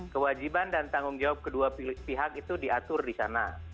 kewajiban dan tanggung jawab kedua pihak itu diatur di sana